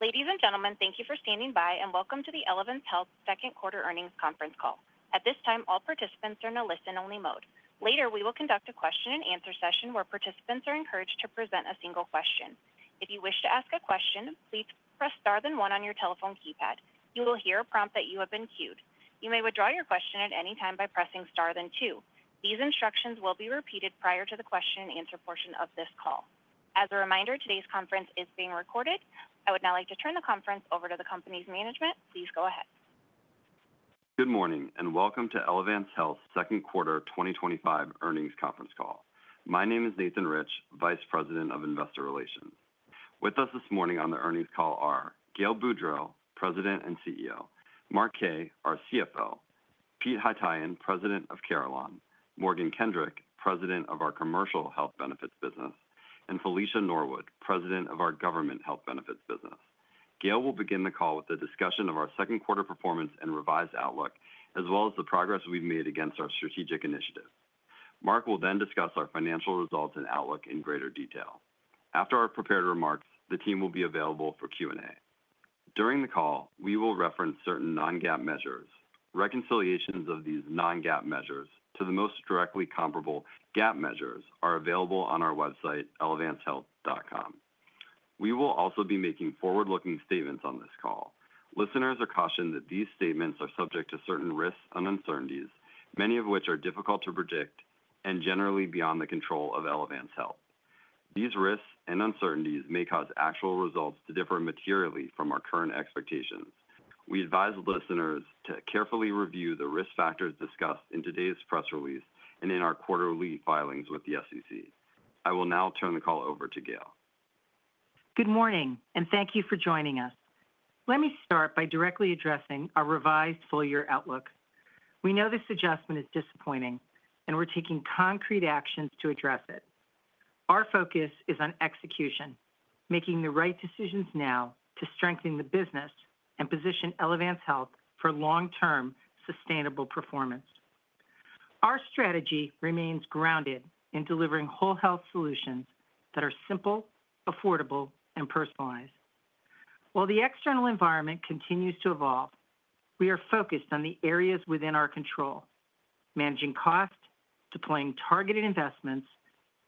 Ladies and gentlemen, thank you for standing by and welcome to the Elevance Health second quarter earnings conference call. At this time, all participants are in a listen-only mode. Later, we will conduct a question-and-answer session where participants are encouraged to present a single question. If you wish to ask a question, please press star then one on your telephone keypad. You will hear a prompt that you have been queued. You may withdraw your question at any time by pressing star then two. These instructions will be repeated prior to the question-and-answer portion of this call. As a reminder, today's conference is being recorded. I would now like to turn the conference over to the company's management. Please go ahead. Good morning and welcome to Elevance Health second quarter 2025 earnings conference call. My name is Nathan Rich, Vice President of Investor Relations. With us this morning on the earnings call are Gail Boudreaux, President and CEO, Mark Kaye, our CFO, Peter Haytaian, President of Carelon, Morgan Kendrick, President of our Commercial Health Benefits business, and Felicia Norwood, President of our Government Health Benefits business. Gail will begin the call with a discussion of our second quarter performance and revised outlook, as well as the progress we've made against our strategic initiatives. Mark will then discuss our financial results and outlook in greater detail. After our prepared remarks, the team will be available for Q&A. During the call, we will reference certain non-GAAP measures. Reconciliations of these non-GAAP measures to the most directly comparable GAAP measures are available on our website, elevancehealth.com. We will also be making forward-looking statements on this call. Listeners are cautioned that these statements are subject to certain risks and uncertainties, many of which are difficult to predict and generally beyond the control of Elevance Health. These risks and uncertainties may cause actual results to differ materially from our current expectations. We advise listeners to carefully review the risk factors discussed in today's press release and in our quarterly filings with the SEC. I will now turn the call over to Gail. Good morning, and thank you for joining us. Let me start by directly addressing our revised full-year outlook. We know this adjustment is disappointing, and we're taking concrete actions to address it. Our focus is on execution, making the right decisions now to strengthen the business and position Elevance Health for long-term sustainable performance. Our strategy remains grounded in delivering whole health solutions that are simple, affordable, and personalized. While the external environment continues to evolve, we are focused on the areas within our control, managing cost, deploying targeted investments,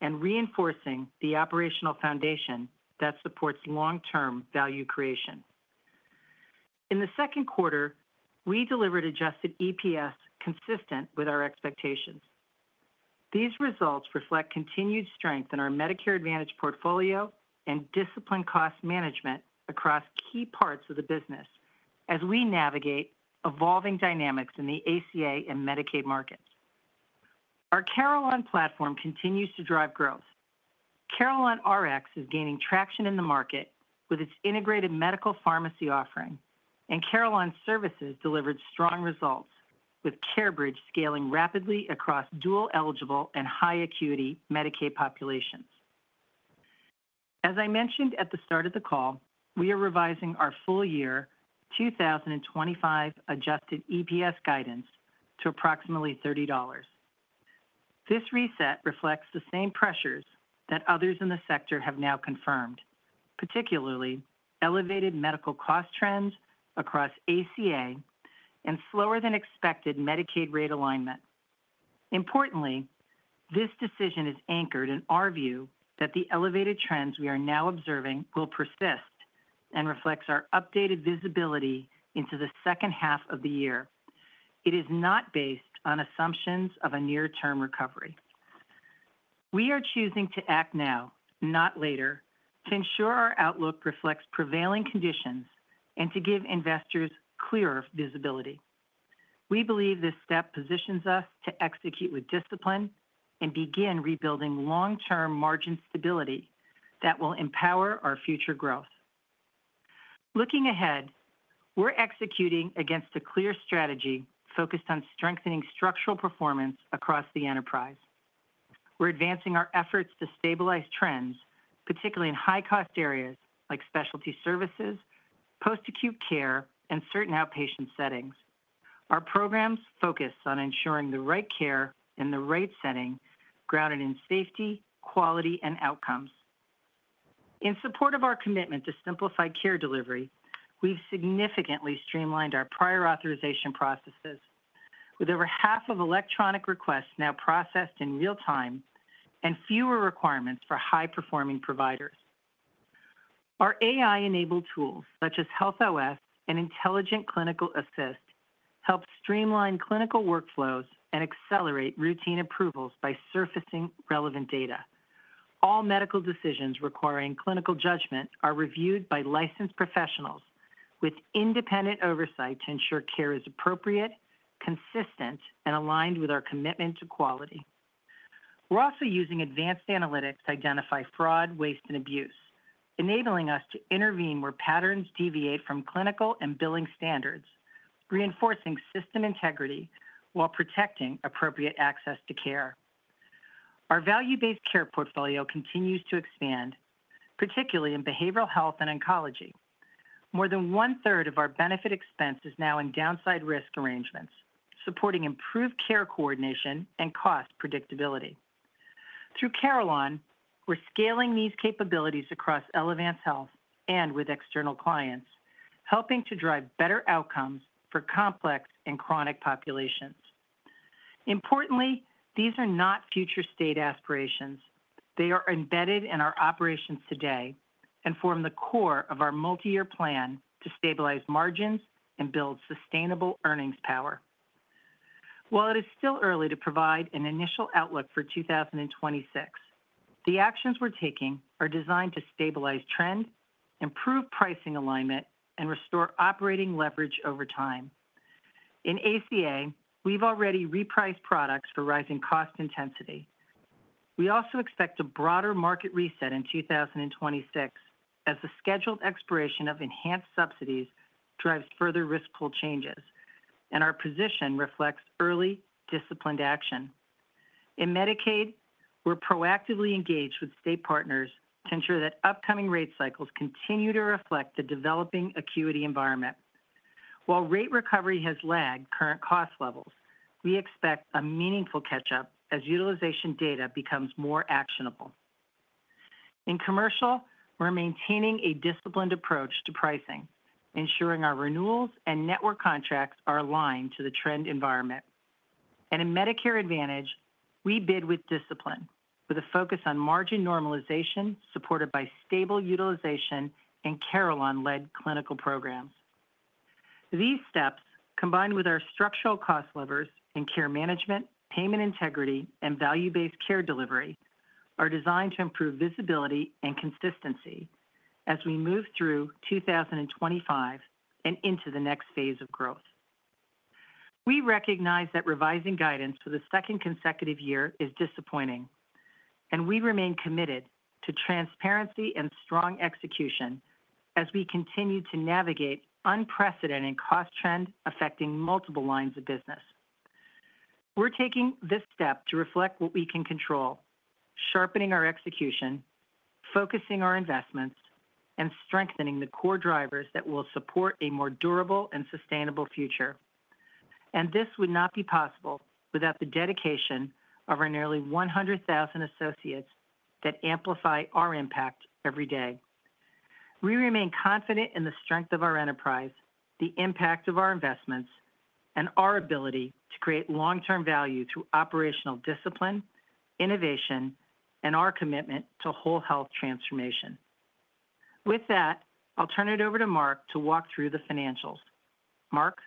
and reinforcing the operational foundation that supports long-term value creation. In the second quarter, we delivered adjusted EPS consistent with our expectations. These results reflect continued strength in our Medicare Advantage portfolio and disciplined cost management across key parts of the business as we navigate evolving dynamics in the ACA and Medicaid markets. Our Carelon platform continues to drive growth. CarelonRx is gaining traction in the market with its integrated medical pharmacy offering, and Carelon Services delivered strong results, with CareBridge scaling rapidly across dual-eligible and high-acuity Medicaid populations. As I mentioned at the start of the call, we are revising our full-year 2025 adjusted EPS guidance to approximately $30. This reset reflects the same pressures that others in the sector have now confirmed, particularly elevated medical cost trends across ACA and slower-than-expected Medicaid rate alignment. Importantly, this decision is anchored in our view that the elevated trends we are now observing will persist and reflects our updated visibility into the second half of the year. It is not based on assumptions of a near-term recovery. We are choosing to act now, not later, to ensure our outlook reflects prevailing conditions and to give investors clearer visibility. We believe this step positions us to execute with discipline and begin rebuilding long-term margin stability that will empower our future growth. Looking ahead, we're executing against a clear strategy focused on strengthening structural performance across the enterprise. We're advancing our efforts to stabilize trends, particularly in high-cost areas like specialty services, post-acute care, and certain outpatient settings. Our programs focus on ensuring the right care in the right setting, grounded in safety, quality, and outcomes. In support of our commitment to simplified care delivery, we've significantly streamlined our prior authorization processes, with over half of electronic requests now processed in real time and fewer requirements for high-performing providers. Our AI-enabled tools, such as Health OS and Intelligent Clinical Assist, help streamline clinical workflows and accelerate routine approvals by surfacing relevant data. All medical decisions requiring clinical judgment are reviewed by licensed professionals with independent oversight to ensure care is appropriate, consistent, and aligned with our commitment to quality. We're also using advanced analytics to identify fraud, waste, and abuse, enabling us to intervene where patterns deviate from clinical and billing standards, reinforcing system integrity while protecting appropriate access to care. Our value-based care portfolio continues to expand, particularly in behavioral health and oncology. More than one-third of our benefit expense is now in downside risk arrangements, supporting improved care coordination and cost predictability. Through Carelon, we're scaling these capabilities across Elevance Health and with external clients, helping to drive better outcomes for complex and chronic populations. Importantly, these are not future-state aspirations. They are embedded in our operations today and form the core of our multi-year plan to stabilize margins and build sustainable earnings power. While it is still early to provide an initial outlook for 2026, the actions we're taking are designed to stabilize trend, improve pricing alignment, and restore operating leverage over time. In ACA, we've already repriced products for rising cost intensity. We also expect a broader market reset in 2026 as the scheduled expiration of enhanced subsidies drives further risk pool changes, and our position reflects early, disciplined action. In Medicaid, we're proactively engaged with state partners to ensure that upcoming rate cycles continue to reflect the developing acuity environment. While rate recovery has lagged current cost levels, we expect a meaningful catch-up as utilization data becomes more actionable. In commercial, we're maintaining a disciplined approach to pricing, ensuring our renewals and network contracts are aligned to the trend environment, and in Medicare Advantage, we bid with discipline, with a focus on margin normalization supported by stable utilization and Carelon-led clinical programs. These steps, combined with our structural cost levers in care management, payment integrity, and value-based care delivery, are designed to improve visibility and consistency as we move through 2025 and into the next phase of growth. We recognize that revising guidance for the second consecutive year is disappointing, and we remain committed to transparency and strong execution as we continue to navigate unprecedented cost trends affecting multiple lines of business. We're taking this step to reflect what we can control, sharpening our execution, focusing our investments, and strengthening the core drivers that will support a more durable and sustainable future, and this would not be possible without the dedication of our nearly 100,000 associates that amplify our impact every day. We remain confident in the strength of our enterprise, the impact of our investments, and our ability to create long-term value through operational discipline, innovation, and our commitment to whole health transformation. With that, I'll turn it over to Mark to walk through the financials. Mark.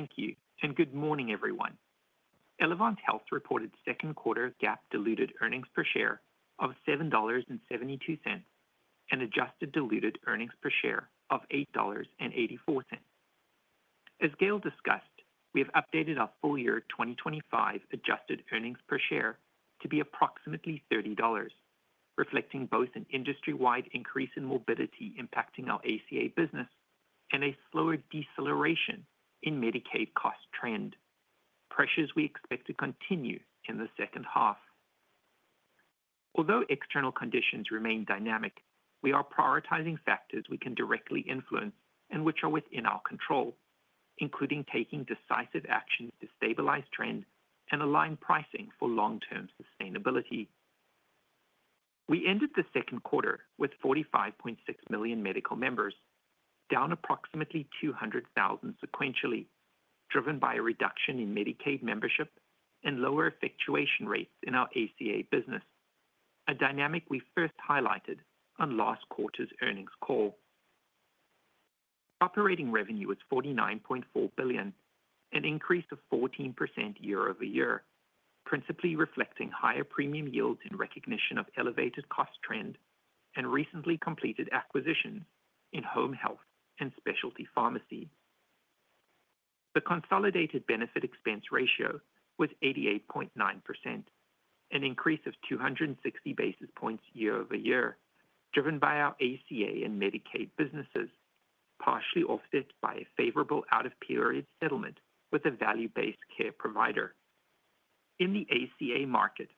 Thank you, and good morning, everyone. Elevance Health reported second quarter GAAP-diluted earnings per share of $7.72 and adjusted diluted earnings per share of $8.84. As Gail discussed, we have updated our full-year 2025 adjusted earnings per share to be approximately $30. Reflecting both an industry-wide increase in morbidity impacting our ACA business and a slower deceleration in Medicaid cost trend, pressures we expect to continue in the second half. Although external conditions remain dynamic, we are prioritizing factors we can directly influence and which are within our control, including taking decisive action to stabilize trend and align pricing for long-term sustainability. We ended the second quarter with 45.6 million medical members, down approximately 200,000 sequentially, driven by a reduction in Medicaid membership and lower effectuation rates in our ACA business. A dynamic we first highlighted on last quarter's earnings call. Operating revenue was $49.4 billion, an increase of 14% year-over-year, principally reflecting higher premium yields in recognition of elevated cost trend and recently completed acquisitions in home health and specialty pharmacy. The consolidated benefit expense ratio was 88.9%, an increase of 260 basis points year-over-year, driven by our ACA and Medicaid businesses, partially offset by a favorable out-of-period settlement with a value-based care provider. In the ACA market,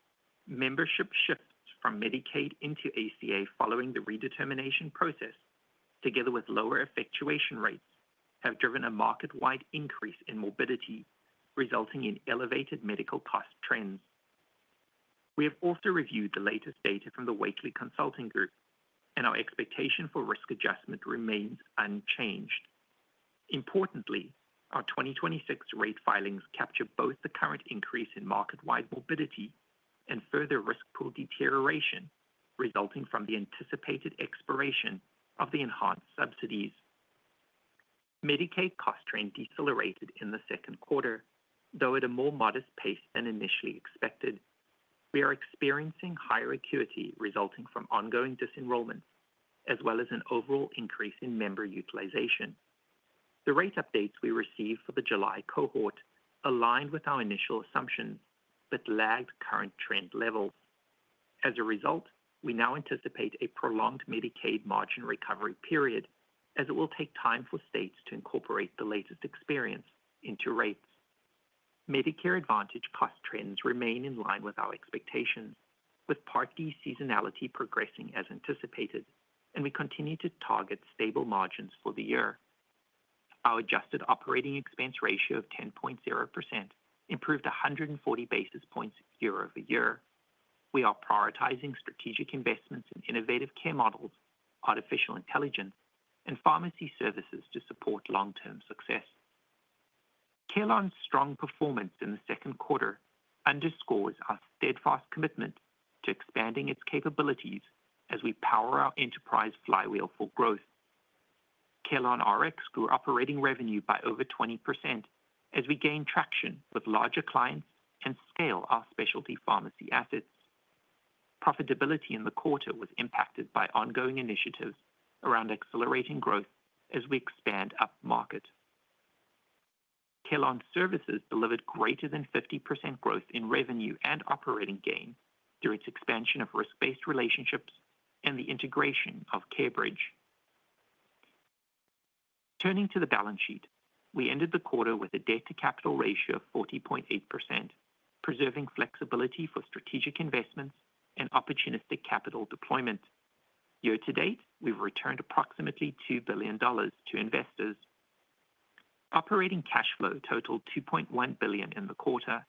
membership shifts from Medicaid into ACA following the redetermination process, together with lower effectuation rates, have driven a market-wide increase in morbidity, resulting in elevated medical cost trends. We have also reviewed the latest data from the Wakely Consulting Group, and our expectation for risk adjustment remains unchanged. Importantly, our 2026 rate filings capture both the current increase in market-wide morbidity and further risk pool deterioration resulting from the anticipated expiration of the enhanced subsidies. Medicaid cost trend decelerated in the second quarter, though at a more modest pace than initially expected. We are experiencing higher acuity resulting from ongoing disenrollments, as well as an overall increase in member utilization. The rate updates we received for the July cohort aligned with our initial assumptions, but lagged current trend levels. As a result, we now anticipate a prolonged Medicaid margin recovery period, as it will take time for states to incorporate the latest experience into rates. Medicare Advantage cost trends remain in line with our expectations, with Part D seasonality progressing as anticipated, and we continue to target stable margins for the year. Our adjusted operating expense ratio of 10.0% improved 140 basis points year-over-year. We are prioritizing strategic investments in innovative care models, artificial intelligence, and pharmacy services to support long-term success. Carelon's strong performance in the second quarter underscores our steadfast commitment to expanding its capabilities as we power our enterprise flywheel for growth. CarelonRx grew operating revenue by over 20% as we gained traction with larger clients and scaled our specialty pharmacy assets. Profitability in the quarter was impacted by ongoing initiatives around accelerating growth as we expand up-market. Carelon Services delivered greater than 50% growth in revenue and operating gain through its expansion of risk-based relationships and the integration of CareBridge. Turning to the balance sheet, we ended the quarter with a debt-to-capital ratio of 40.8%, preserving flexibility for strategic investments and opportunistic capital deployment. Year to date, we've returned approximately $2 billion to investors. Operating cash flow totaled $2.1 billion in the quarter,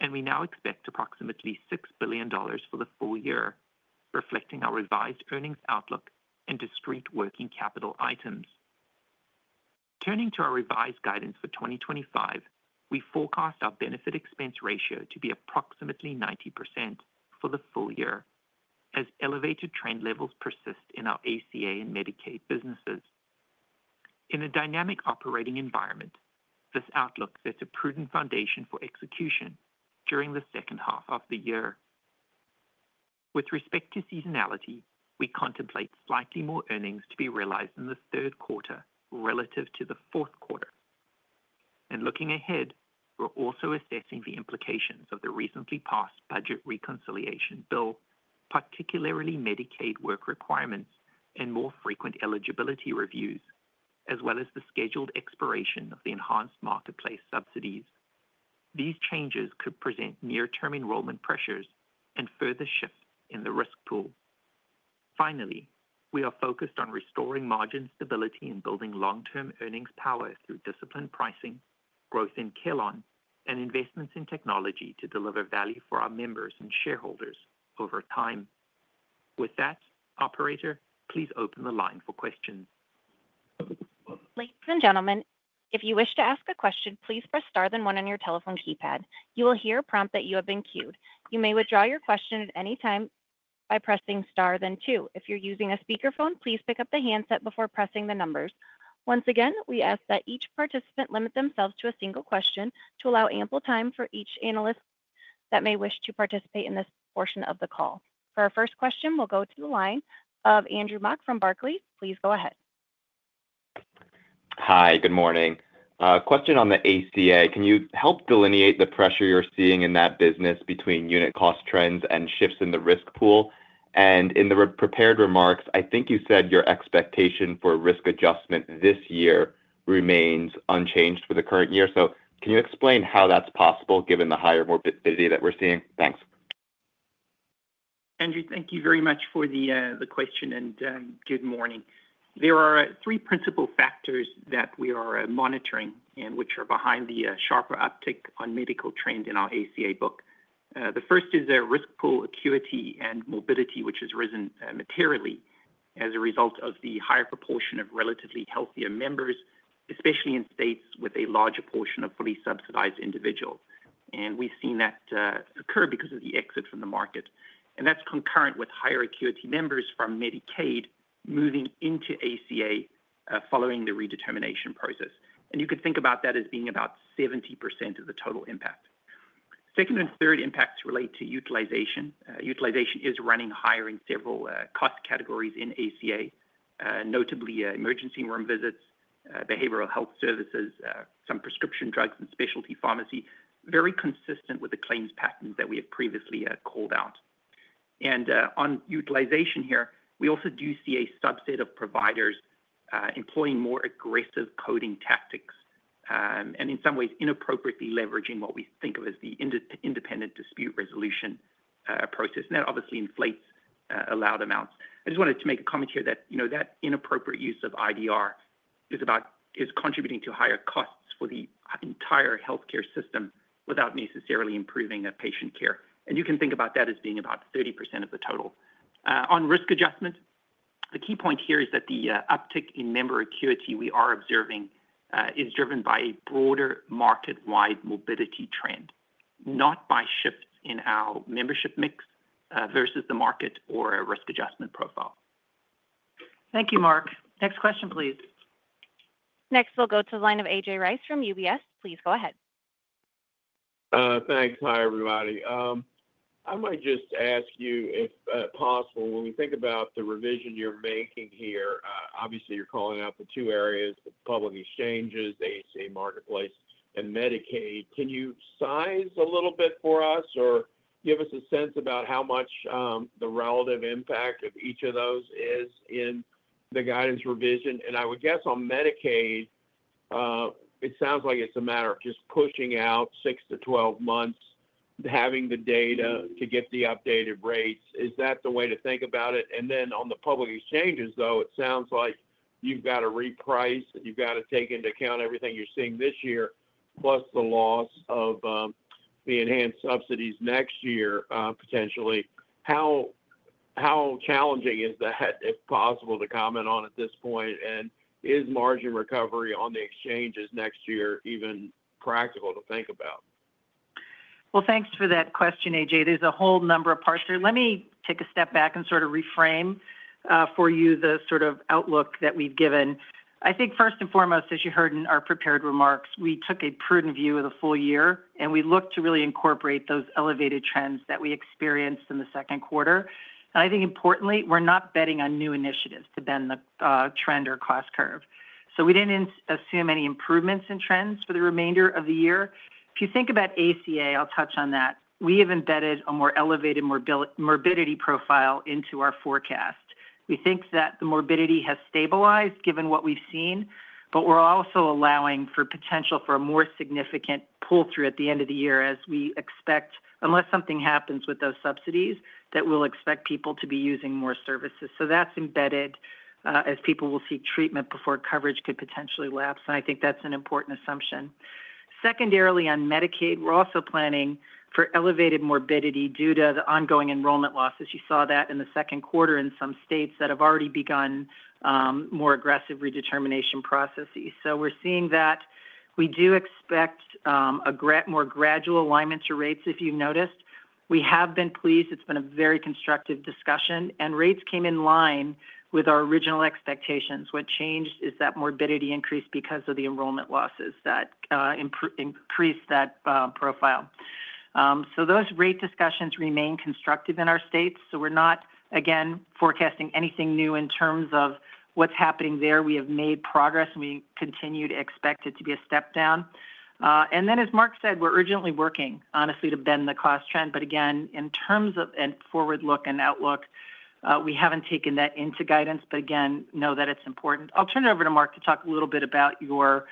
and we now expect approximately $6 billion for the full year, reflecting our revised earnings outlook and discrete working capital items. Turning to our revised guidance for 2025, we forecast our benefit expense ratio to be approximately 90% for the full year, as elevated trend levels persist in our ACA and Medicaid businesses. In a dynamic operating environment, this outlook sets a prudent foundation for execution during the second half of the year. With respect to seasonality, we contemplate slightly more earnings to be realized in the third quarter relative to the fourth quarter, and looking ahead, we're also assessing the implications of the recently passed budget reconciliation bill, particularly Medicaid work requirements and more frequent eligibility reviews, as well as the scheduled expiration of the enhanced marketplace subsidies. These changes could present near-term enrollment pressures and further shifts in the risk pool. Finally, we are focused on restoring margin stability and building long-term earnings power through disciplined pricing, growth in Carelon, and investments in technology to deliver value for our members and shareholders over time. With that, Operator, please open the line for questions. Ladies and gentlemen, if you wish to ask a question, please press star then one on your telephone keypad. You will hear a prompt that you have been queued. You may withdraw your question at any time by pressing star then two. If you're using a speakerphone, please pick up the handset before pressing the numbers. Once again, we ask that each participant limit themselves to a single question to allow ample time for each analyst that may wish to participate in this portion of the call. For our first question, we'll go to the line of Andrew Mok from Barclays. Please go ahead. Hi, good morning. Question on the ACA. Can you help delineate the pressure you're seeing in that business between unit cost trends and shifts in the risk pool? And in the prepared remarks, I think you said your expectation for risk adjustment this year remains unchanged for the current year. So can you explain how that's possible, given the higher morbidity that we're seeing? Thanks. Andrew, thank you very much for the question and good morning. There are three principal factors that we are monitoring and which are behind the sharper uptick on medical trend in our ACA book. The first is a risk pool acuity and morbidity, which has risen materially as a result of the higher proportion of relatively healthier members, especially in states with a large proportion of fully subsidized individuals, and we've seen that occur because of the exit from the market, and that's concurrent with higher acuity members from Medicaid moving into ACA following the redetermination process, and you could think about that as being about 70% of the total impact. Second and third impacts relate to utilization. Utilization is running higher in several cost categories in ACA, notably emergency room visits, behavioral health services, some prescription drugs, and specialty pharmacy, very consistent with the claims patterns that we have previously called out, and on utilization here, we also do see a subset of providers employing more aggressive coding tactics, and in some ways, inappropriately leveraging what we think of as the independent dispute resolution process, and that obviously inflates allowed amounts. I just wanted to make a comment here that that inappropriate use of IDR is contributing to higher costs for the entire healthcare system without necessarily improving patient care, and you can think about that as being about 30% of the total. On risk adjustment, the key point here is that the uptick in member acuity we are observing is driven by a broader market-wide morbidity trend, not by shifts in our membership mix versus the market or a risk adjustment profile. Thank you, Mark. Next question, please. Next, we'll go to the line of A.J. Rice from UBS. Please go ahead. Thanks. Hi, everybody. I might just ask you if possible, when we think about the revision you're making here, obviously, you're calling out the two areas, the public exchanges, ACA Marketplace, and Medicaid. Can you size a little bit for us or give us a sense about how much the relative impact of each of those is in the guidance revision? And I would guess on Medicaid. It sounds like it's a matter of just pushing out six to 12 months, having the data to get the updated rates. Is that the way to think about it? And then on the public exchanges, though, it sounds like you've got to reprice, and you've got to take into account everything you're seeing this year, plus the loss of the enhanced subsidies next year, potentially. How challenging is that, if possible, to comment on at this point? And is margin recovery on the exchanges next year even practical to think about? Thanks for that question, A.J. There's a whole number of parts here. Let me take a step back and sort of reframe for you the sort of outlook that we've given. I think first and foremost, as you heard in our prepared remarks, we took a prudent view of the full year, and we looked to really incorporate those elevated trends that we experienced in the second quarter. And I think importantly, we're not betting on new initiatives to bend the trend or cost curve. So we didn't assume any improvements in trends for the remainder of the year. If you think about ACA, I'll touch on that. We have embedded a more elevated morbidity profile into our forecast. We think that the morbidity has stabilized, given what we've seen, but we're also allowing for potential for a more significant pull-through at the end of the year, as we expect, unless something happens with those subsidies, that we'll expect people to be using more services. So that's embedded as people will seek treatment before coverage could potentially lapse. And I think that's an important assumption. Secondarily, on Medicaid, we're also planning for elevated morbidity due to the ongoing enrollment losses. You saw that in the second quarter in some states that have already begun more aggressive redetermination processes. So we're seeing that. We do expect a more gradual alignment to rates, if you've noticed. We have been pleased. It's been a very constructive discussion. And rates came in line with our original expectations. What changed is that morbidity increased because of the enrollment losses that increased that profile. So those rate discussions remain constructive in our states. So we're not, again, forecasting anything new in terms of what's happening there. We have made progress, and we continue to expect it to be a step down. And then, as Mark said, we're urgently working, honestly, to bend the cost trend. But again, in terms of forward look and outlook, we haven't taken that into guidance, but again, know that it's important. I'll turn it over to Mark to talk a little bit about your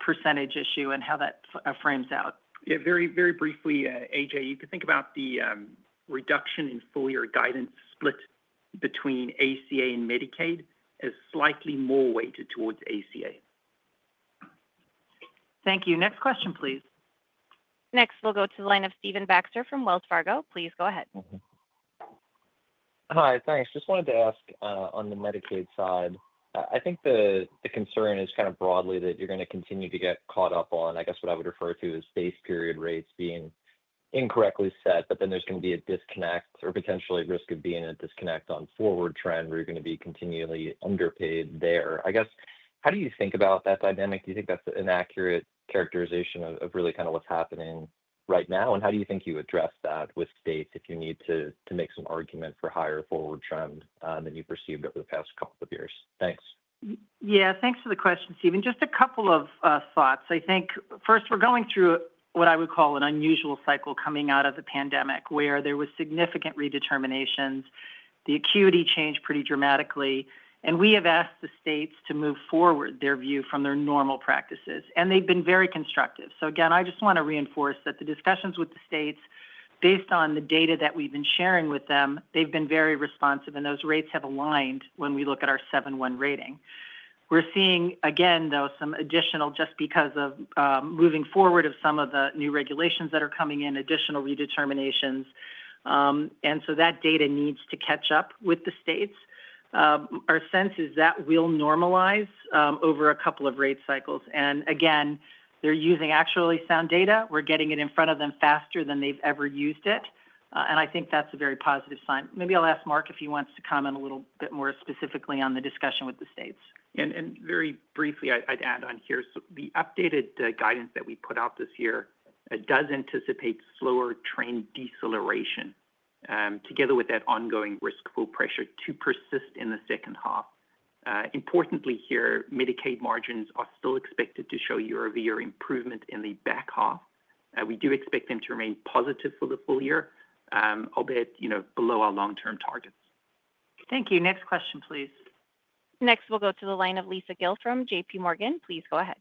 percentage issue and how that frames out. Yeah, very, very briefly, A.J., you could think about the reduction in full-year guidance split between ACA and Medicaid as slightly more weighted towards ACA. Thank you. Next question, please. Next, we'll go to the line of Stephen Baxter from Wells Fargo. Please go ahead. Hi, thanks. Just wanted to ask on the Medicaid side, I think the concern is kind of broadly that you're going to continue to get caught up on, I guess what I would refer to as base period rates being incorrectly set, but then there's going to be a disconnect or potentially risk of being a disconnect on forward trend where you're going to be continually underpaid there. I guess, how do you think about that dynamic? Do you think that's an accurate characterization of really kind of what's happening right now? And how do you think you address that with states if you need to make some argument for higher forward trend than you've perceived over the past couple of years? Thanks. Yeah, thanks for the question, Stephen. Just a couple of thoughts. I think, first, we're going through what I would call an unusual cycle coming out of the pandemic where there were significant redeterminations. The acuity changed pretty dramatically. And we have asked the states to move forward their view from their normal practices. And they've been very constructive. So again, I just want to reinforce that the discussions with the states, based on the data that we've been sharing with them, they've been very responsive, and those rates have aligned when we look at our 7-1 rating. We're seeing, again, though, some additional, just because of moving forward of some of the new regulations that are coming in, additional redeterminations. And so that data needs to catch up with the states. Our sense is that will normalize over a couple of rate cycles. And again, they're using actually sound data. We're getting it in front of them faster than they've ever used it. And I think that's a very positive sign. Maybe I'll ask Mark if he wants to comment a little bit more specifically on the discussion with the states. And very briefly, I'd add on here, the updated guidance that we put out this year does anticipate slower trend deceleration together with that ongoing risk pool pressure to persist in the second half. Importantly here, Medicaid margins are still expected to show year-over-year improvement in the back half. We do expect them to remain positive for the full year, albeit below our long-term targets. Thank you. Next question, please. Next, we'll go to the line of Lisa Gill from JPMorgan. Please go ahead.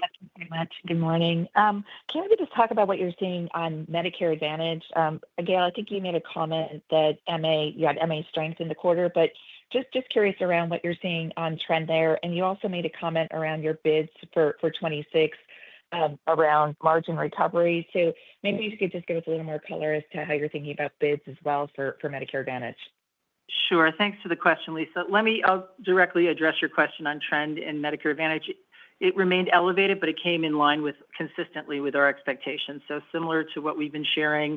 Thank you very much. Good morning. Can we just talk about what you're seeing on Medicare Advantage? Gail, I think you made a comment that you had MA strength in the quarter, but just curious around what you're seeing on trend there. And you also made a comment around your bids for 2026. Around margin recovery. So maybe you could just give us a little more color as to how you're thinking about bids as well for Medicare Advantage. Sure. Thanks for the question, Lisa. Let me directly address your question on trend in Medicare Advantage. It remained elevated, but it came in line consistently with our expectations. So similar to what we've been sharing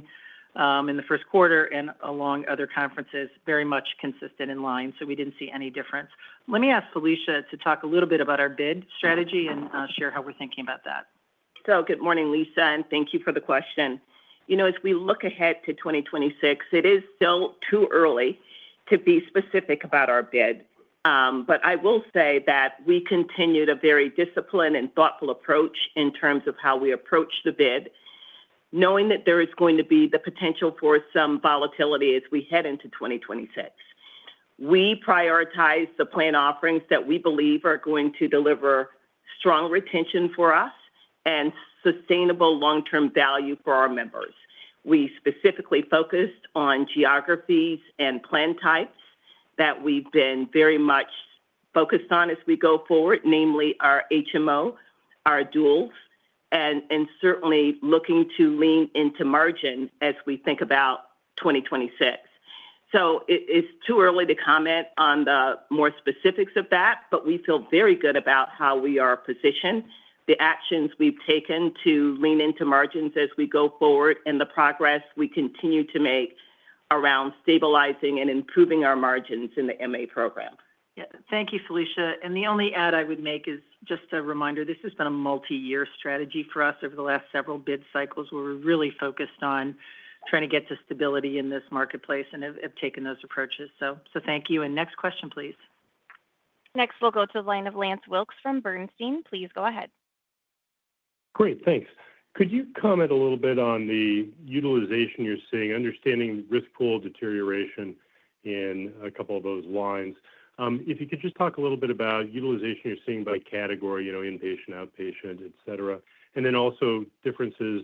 in the first quarter and along other conferences, very much consistent in line. So we didn't see any difference. Let me ask Felicia to talk a little bit about our bid strategy and share how we're thinking about that. So good morning, Lisa, and thank you for the question. You know, as we look ahead to 2026, it is still too early to be specific about our bid. But I will say that we continued a very disciplined and thoughtful approach in terms of how we approach the bid, knowing that there is going to be the potential for some volatility as we head into 2026. We prioritized the plan offerings that we believe are going to deliver strong retention for us and sustainable long-term value for our members. We specifically focused on geographies and plan types that we've been very much focused on as we go forward, namely our HMO, our duals, and certainly looking to lean into margin as we think about 2026. So it's too early to comment on the more specifics of that, but we feel very good about how we are positioned, the actions we've taken to lean into margins as we go forward, and the progress we continue to make around stabilizing and improving our margins in the MA program. Yeah, thank you, Felicia. And the only add I would make is just a reminder, this has been a multi-year strategy for us over the last several bid cycles where we're really focused on trying to get to stability in this marketplace and have taken those approaches. So thank you. And next question, please. Next, we'll go to the line of Lance Wilkes from Bernstein. Please go ahead. Great, thanks. Could you comment a little bit on the utilization you're seeing, understanding risk pool deterioration in a couple of those lines? If you could just talk a little bit about utilization you're seeing by category, you know, inpatient, outpatient, et cetera, and then also differences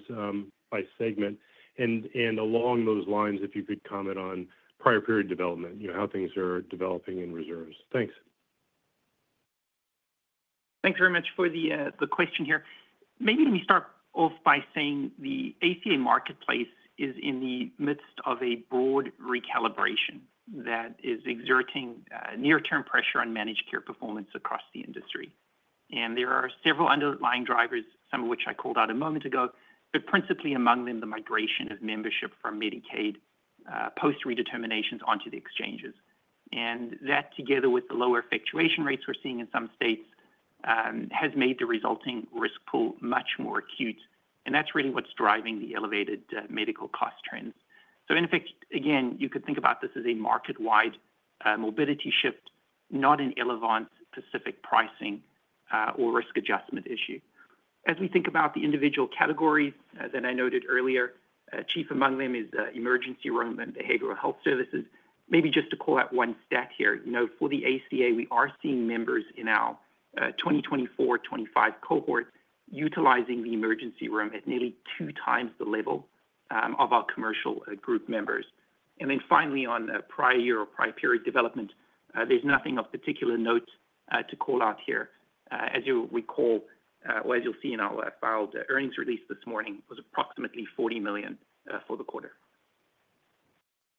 by segment. And along those lines, if you could comment on prior period development, you know, how things are developing in reserves. Thanks. Thanks very much for the question here. Maybe let me start off by saying the ACA marketplace is in the midst of a broad recalibration that is exerting near-term pressure on managed care performance across the industry. And there are several underlying drivers, some of which I called out a moment ago, but principally among them, the migration of membership from Medicaid post-redeterminations onto the exchanges. And that, together with the lower effectuation rates we're seeing in some states, has made the resulting risk pool much more acute. And that's really what's driving the elevated medical cost trends. So in effect, again, you could think about this as a market-wide morbidity shift, not an Elevance-specific pricing or risk adjustment issue. As we think about the individual categories that I noted earlier, chief among them is emergency room and behavioral health services. Maybe just to call out one stat here, you know, for the ACA, we are seeing members in our 2024-2025 cohort utilizing the emergency room at nearly two times the level of our commercial group members. And then finally, on prior year or prior period development, there's nothing of particular note to call out here. As you recall, or as you'll see in our filed earnings release this morning, it was approximately $40 million for the quarter.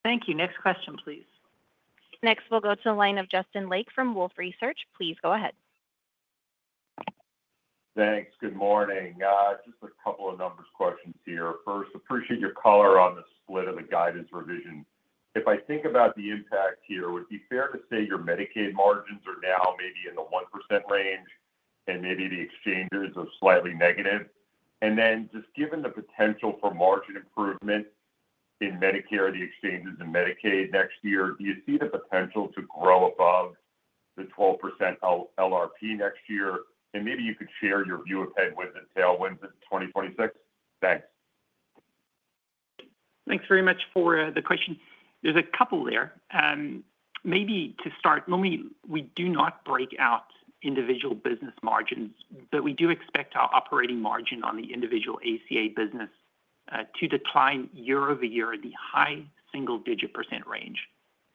Thank you. Next question, please. Next, we'll go to the line of Justin Lake from Wolfe Research. Please go ahead. Thanks. Good morning. Just a couple of numbers questions here. First, appreciate your color on the split of the guidance revision. If I think about the impact here, would it be fair to say your Medicaid margins are now maybe in the 1% range and maybe the exchanges are slightly negative? And then just given the potential for margin improvement in Medicare, the exchanges, and Medicaid next year, do you see the potential to grow above the 12% LRP next year? And maybe you could share your view of headwinds and tailwinds in 2026. Thanks. Thanks very much for the question. There's a couple there. Maybe to start, normally we do not break out individual business margins, but we do expect our operating margin on the individual ACA business to decline year-over-year in the high single-digit percent range.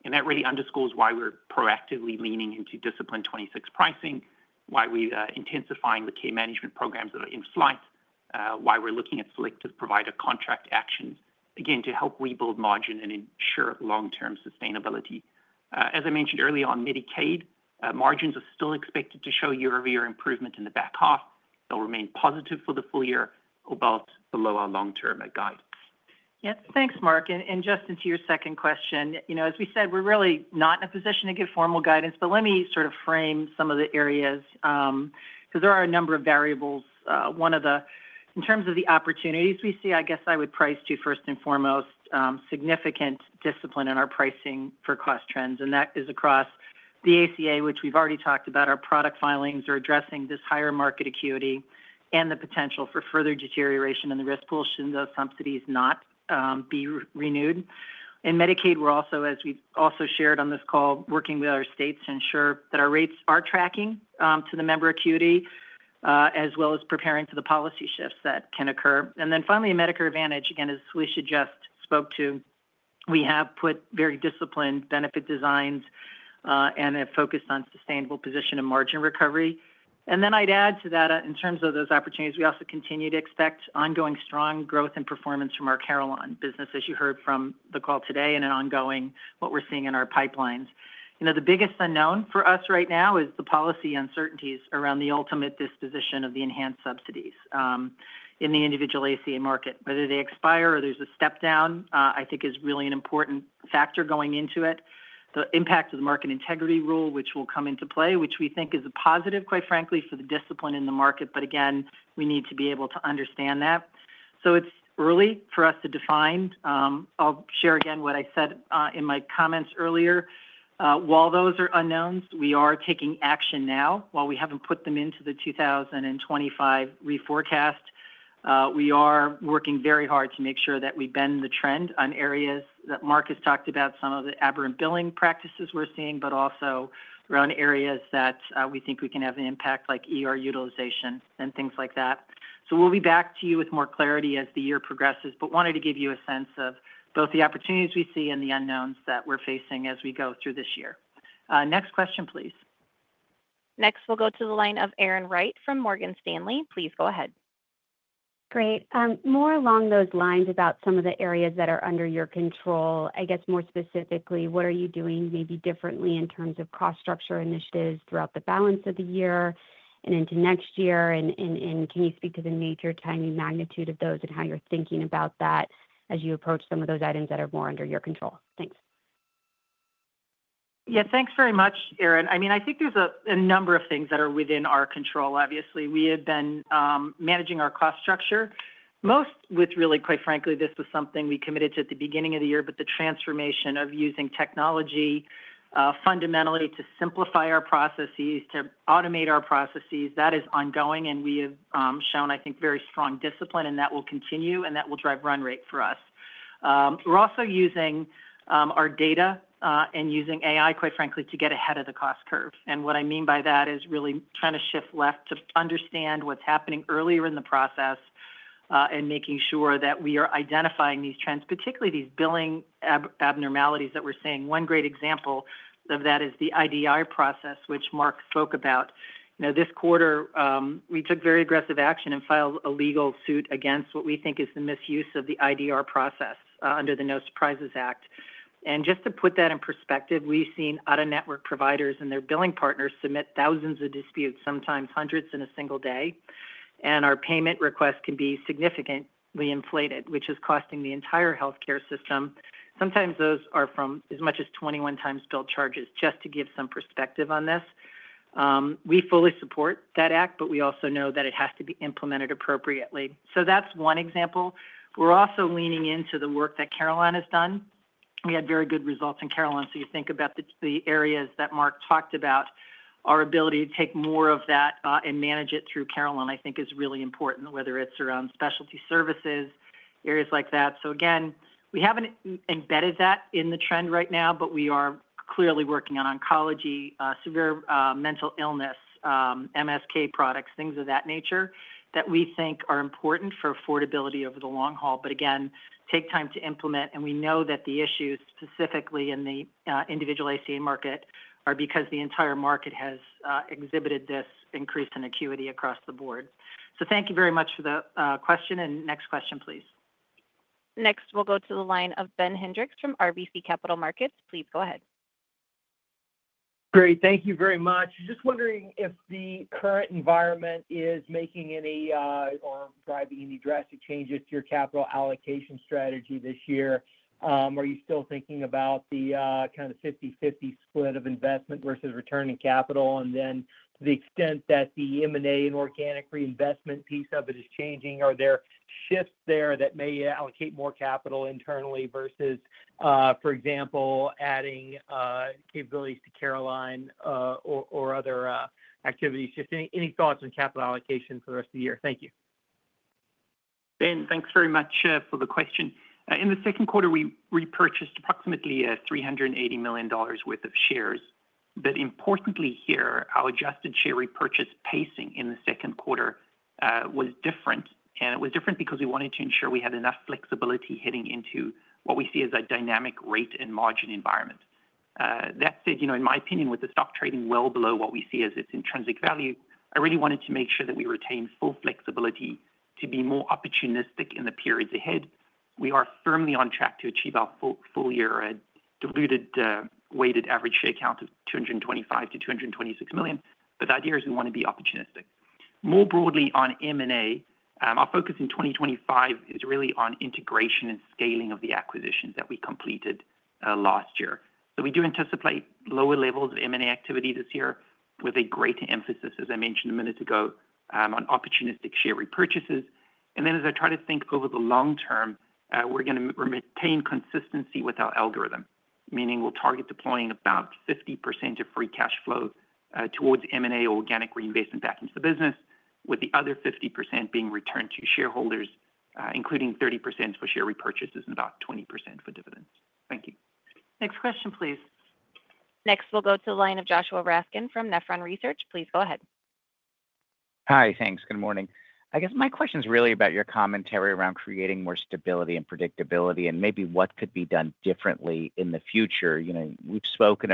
And that really underscores why we're proactively leaning into disciplined 2026 pricing, why we're intensifying the care management programs that are in flight, why we're looking at selective provider contract actions, again, to help rebuild margin and ensure long-term sustainability. As I mentioned earlier on Medicaid, margins are still expected to show year-over-year improvement in the back half. They'll remain positive for the full year but both below our long-term guide. Yep, thanks, Mark. And Justin, to your second question, you know, as we said, we're really not in a position to give formal guidance, but let me sort of frame some of the areas. Because there are a number of variables. One of the, in terms of the opportunities we see, I guess I would put pricing first and foremost, significant discipline in our pricing for cost trends. And that is across the ACA, which we've already talked about. Our product filings are addressing this higher market acuity and the potential for further deterioration in the risk pool should those subsidies not be renewed. In Medicaid, we're also, as we've also shared on this call, working with our states to ensure that our rates are tracking to the member acuity as well as preparing for the policy shifts that can occur. And then finally, in Medicare Advantage, again, as Felicia just spoke to, we have put very disciplined benefit designs. And have focused on sustainable position and margin recovery. And then I'd add to that in terms of those opportunities, we also continue to expect ongoing strong growth and performance from our Carelon business, as you heard from the call today, and an ongoing what we're seeing in our pipelines. You know, the biggest unknown for us right now is the policy uncertainties around the ultimate disposition of the enhanced subsidies. In the individual ACA market, whether they expire or there's a step down, I think is really an important factor going into it. The impact of the market integrity rule, which will come into play, which we think is a positive, quite frankly, for the discipline in the market. But again, we need to be able to understand that. So it's early for us to define. I'll share again what I said in my comments earlier. While those are unknowns, we are taking action now. While we haven't put them into the 2025 reforecast. We are working very hard to make sure that we bend the trend on areas that Mark has talked about, some of the aberrant billing practices we're seeing, but also around areas that we think we can have an impact like utilization and things like that. So we'll be back to you with more clarity as the year progresses, but wanted to give you a sense of both the opportunities we see and the unknowns that we're facing as we go through this year. Next question, please. Next, we'll go to the line of Erin Wright from Morgan Stanley. Please go ahead. Great. More along those lines about some of the areas that are under your control, I guess more specifically, what are you doing maybe differently in terms of cost structure initiatives throughout the balance of the year and into next year? And can you speak to the nature timing magnitude of those and how you're thinking about that as you approach some of those items that are more under your control? Thanks. Yeah, thanks very much, Erin. I mean, I think there's a number of things that are within our control, obviously. We have been managing our cost structure most with really, quite frankly, this was something we committed to at the beginning of the year, but the transformation of using technology fundamentally to simplify our processes, to automate our processes. That is ongoing, and we have shown, I think, very strong discipline, and that will continue, and that will drive run rate for us. We're also using our data and using AI, quite frankly, to get ahead of the cost curve, and what I mean by that is really trying to shift left to understand what's happening earlier in the process, and making sure that we are identifying these trends, particularly these billing abnormalities that we're seeing. One great example of that is the IDR process, which Mark spoke about. Now, this quarter, we took very aggressive action and filed a legal suit against what we think is the misuse of the IDR process under the No Surprises Act, and just to put that in perspective, we've seen out-of-network providers and their billing partners submit thousands of disputes, sometimes hundreds in a single day, and our payment requests can be significantly inflated, which is costing the entire healthcare system. Sometimes those are from as much as 21x billed charges, just to give some perspective on this. We fully support that act, but we also know that it has to be implemented appropriately. So that's one example. We're also leaning into the work that Carelon has done. We had very good results in Carelon. So you think about the areas that Mark talked about, our ability to take more of that and manage it through Carelon, I think is really important, whether it's around specialty services, areas like that. So again, we haven't embedded that in the trend right now, but we are clearly working on oncology, severe mental illness, MSK products, things of that nature that we think are important for affordability over the long haul, but again, take time to implement, and we know that the issues specifically in the individual ACA market are because the entire market has exhibited this increase in acuity across the board. So thank you very much for the question. And next question, please. Next, we'll go to the line of Ben Hendrix from RBC Capital Markets. Please go ahead. Great. Thank you very much. Just wondering if the current environment is making any or driving any drastic changes to your capital allocation strategy this year. Are you still thinking about the kind of 50/50 split of investment versus returning capital and then the extent that the M&A and organic reinvestment piece of it is changing? Are there shifts there that may allocate more capital internally versus, for example, adding capabilities to Carelon. Or other activities? Just any thoughts on capital allocation for the rest of the year? Thank you. Ben, thanks very much for the question. In the second quarter, we repurchased approximately $380 million worth of shares. But importantly here, our adjusted share repurchase pacing in the second quarter was different. And it was different because we wanted to ensure we had enough flexibility heading into what we see as a dynamic rate and margin environment. That said, you know, in my opinion, with the stock trading well below what we see as its intrinsic value, I really wanted to make sure that we retain full flexibility to be more opportunistic in the periods ahead. We are firmly on track to achieve our full year diluted weighted average share count of 225-226 million. But the idea is we want to be opportunistic. More broadly on M&A, our focus in 2025 is really on integration and scaling of the acquisitions that we completed last year. So we do anticipate lower levels of M&A activity this year with a greater emphasis, as I mentioned a minute ago, on opportunistic share repurchases. And then as I try to think over the long-term, we're going to retain consistency with our algorithm, meaning we'll target deploying about 50% of free cash flow towards M&A organic reinvestment back into the business, with the other 50% being returned to shareholders, including 30% for share repurchases and about 20% for dividends. Thank you. Next question, please. Next, we'll go to the line of Joshua Raskin from Nephron Research. Please go ahead. Hi, thanks. Good morning. I guess my question is really about your commentary around creating more stability and predictability and maybe what could be done differently in the future. You know, we've spoken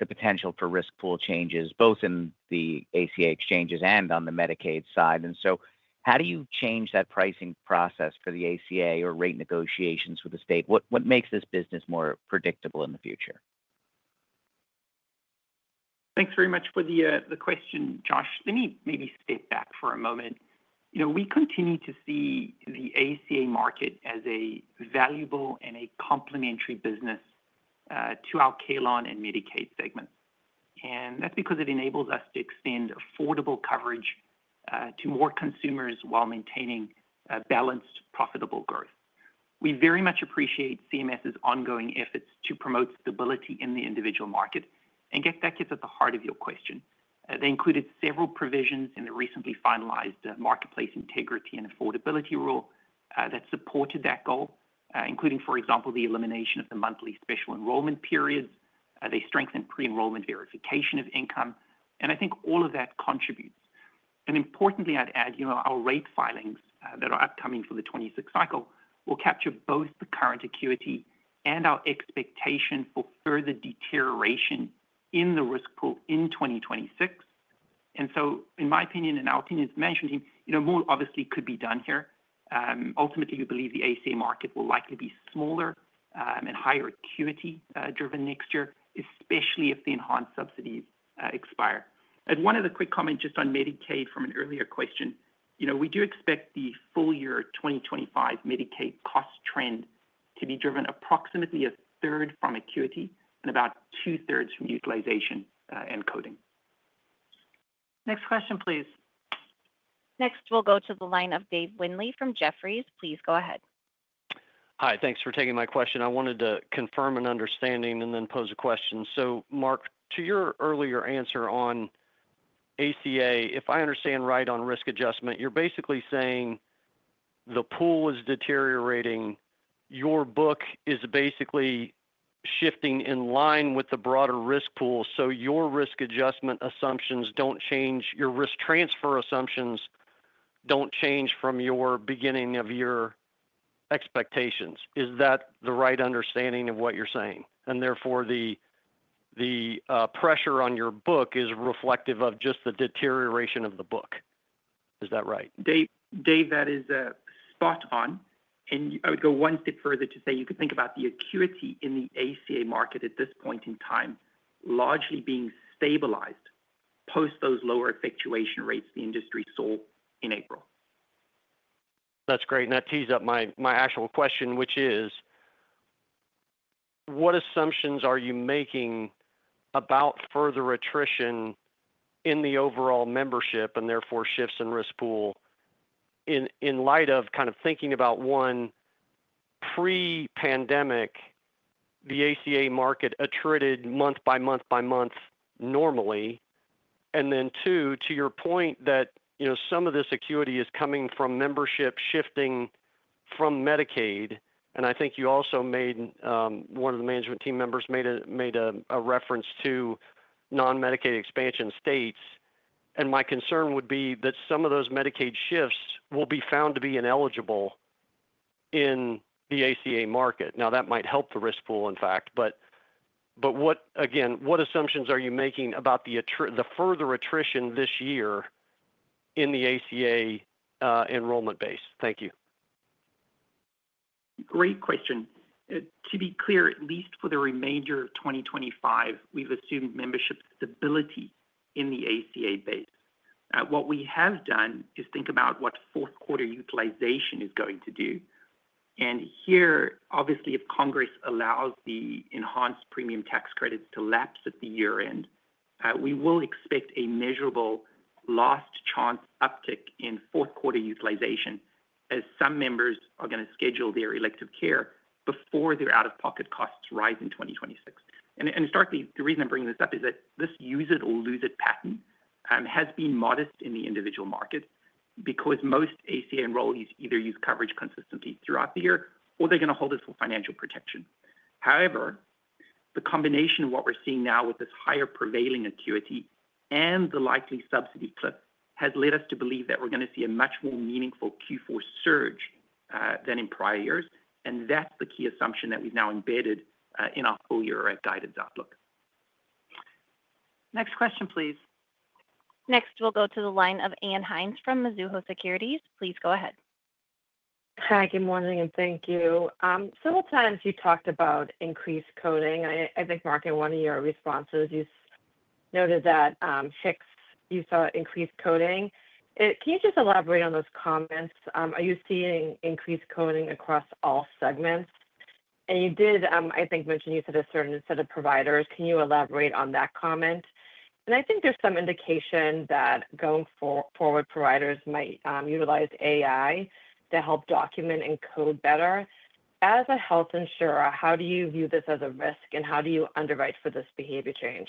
about the potential for risk pool changes both in the ACA exchanges and on the Medicaid side. And so how do you change that pricing process for the ACA or rate negotiations with the state? What makes this business more predictable in the future? Thanks very much for the question, Josh. Let me maybe step back for a moment. You know, we continue to see the ACA market as a valuable and a complementary business to our Carelon and Medicaid segments. And that's because it enables us to extend affordable coverage to more consumers while maintaining balanced, profitable growth. We very much appreciate CMS's ongoing efforts to promote stability in the individual market. And that gets at the heart of your question. They included several provisions in the recently finalized Marketplace Integrity and Affordability Rule that supported that goal, including, for example, the elimination of the monthly special enrollment periods. They strengthened pre-enrollment verification of income. And I think all of that contributes. And importantly, I'd add, you know, our rate filings that are upcoming for the 2026 cycle will capture both the current acuity and our expectation for further deterioration in the risk pool in 2026. And so, in my opinion, and our opinion is mentioned, you know, more obviously could be done here. Ultimately, we believe the ACA market will likely be smaller and higher acuity driven next year, especially if the enhanced subsidies expire. And one other quick comment just on Medicaid from an earlier question. You know, we do expect the full year 2025 Medicaid cost trend to be driven approximately a third from acuity and about two-thirds from utilization and coding. Next question, please. Next, we'll go to the line of Dave Windley from Jefferies. Please go ahead. Hi, thanks for taking my question. I wanted to confirm an understanding and then pose a question. So Mark, to your earlier answer on ACA, if I understand right on risk adjustment, you're basically saying the pool is deteriorating, your book is basically shifting in line with the broader risk pool, so your risk adjustment assumptions don't change, your risk transfer assumptions don't change from your beginning of year expectations. Is that the right understanding of what you're saying? And therefore, the pressure on your book is reflective of just the deterioration of the book. Is that right? Dave, that is spot on, and I would go one step further to say you could think about the acuity in the ACA market at this point in time largely being stabilized post those lower effectuation rates the industry saw in April. That's great. And that tees up my actual question, which is what assumptions are you making about further attrition in the overall membership and therefore shifts in the risk pool. In light of kind of thinking about one, pre-pandemic, the ACA market attrited month by month by month normally? And then two, to your point that, you know, some of this acuity is coming from membership shifting from Medicaid. And I think you also made, one of the management team members made a reference to non-Medicaid expansion states. And my concern would be that some of those Medicaid shifts will be found to be ineligible in the ACA market. Now, that might help the risk pool, in fact. But what, again, what assumptions are you making about the further attrition this year in the ACA enrollment base? Thank you. Great question. To be clear, at least for the remainder of 2025, we've assumed membership stability in the ACA base. What we have done is think about what fourth quarter utilization is going to do. And here, obviously, if Congress allows the Enhanced Premium Tax Credits to lapse at the year end, we will expect a measurable Use-or-Lose Uptick in fourth quarter utilization as some members are going to schedule their elective care before their out-of-pocket costs rise in 2026. And historically, the reason I'm bringing this up is that this use-it-or-lose-it pattern has been modest in the individual market because most ACA enrollees either use coverage consistently throughout the year or they're going to hold it for financial protection. However, the combination of what we're seeing now with this higher prevailing acuity and the likely subsidy cliff has led us to believe that we're going to see a much more meaningful Q4 surge than in prior years. And that's the key assumption that we've now embedded in our full year guidance outlook. Next question, please. Next, we'll go to the line of Ann Hynes from Mizuho Securities. Please go ahead. Hi, good morning and thank you. Several times you talked about increased coding. I think, Mark, in one of your responses, you noted that we saw increased coding. Can you just elaborate on those comments? Are you seeing increased coding across all segments? And you did, I think, mention you said a certain set of providers. Can you elaborate on that comment? And I think there's some indication that going forward providers might utilize AI to help document and code better. As a health insurer, how do you view this as a risk and how do you underwrite for this behavior change?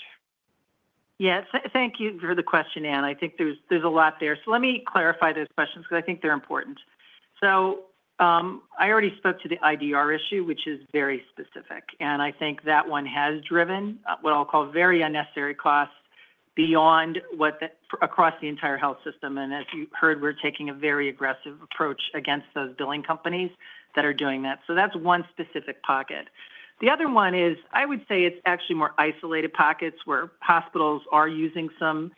Yeah, thank you for the question, Ann. I think there's a lot there. So let me clarify those questions because I think they're important. So. I already spoke to the IDR issue, which is very specific. And I think that one has driven what I'll call very unnecessary costs beyond what across the entire health system. And as you heard, we're taking a very aggressive approach against those billing companies that are doing that. So that's one specific pocket. The other one is, I would say it's actually more isolated pockets where hospitals are using some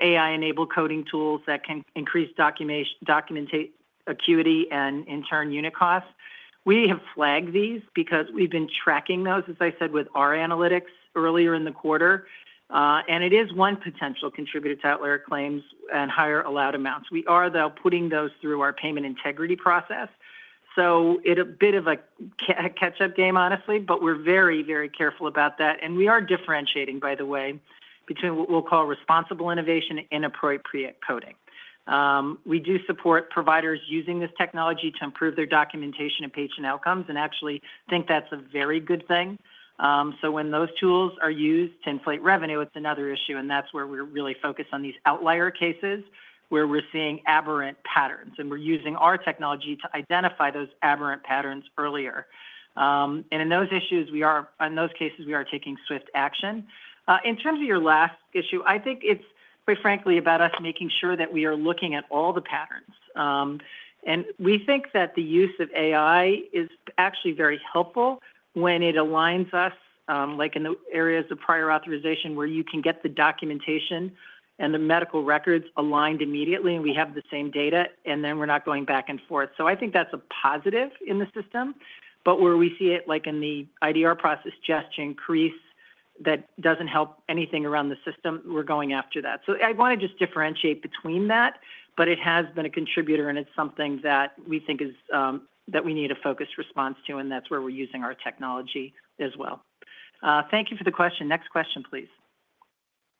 AI-enabled coding tools that can increase documentation acuity and in turn unit costs. We have flagged these because we've been tracking those, as I said, with our analytics earlier in the quarter. And it is one potential contributor to outlier claims and higher allowed amounts. We are, though, putting those through our payment integrity process. So it's a bit of a catch-up game, honestly, but we're very, very careful about that. And we are differentiating, by the way, between what we'll call responsible innovation and appropriate coding. We do support providers using this technology to improve their documentation and patient outcomes and actually think that's a very good thing. So when those tools are used to inflate revenue, it's another issue. And that's where we're really focused on these outlier cases where we're seeing aberrant patterns. And we're using our technology to identify those aberrant patterns earlier. And in those issues, we are, in those cases, we are taking swift action. In terms of your last issue, I think it's quite frankly about us making sure that we are looking at all the patterns. And we think that the use of AI is actually very helpful when it aligns us, like in the areas of prior authorization where you can get the documentation and the medical records aligned immediately and we have the same data, and then we're not going back and forth. So I think that's a positive in the system. But where we see it, like in the IDR process, just to increase that doesn't help anything around the system, we're going after that. So I want to just differentiate between that, but it has been a contributor and it's something that we think is that we need a focused response to, and that's where we're using our technology as well. Thank you for the question. Next question, please.